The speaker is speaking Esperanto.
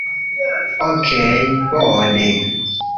Okej' bone.